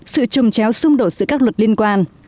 sự trồng chéo xung đột giữa các luật liên quan